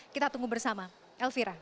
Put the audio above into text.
kita tunggu bersama elvira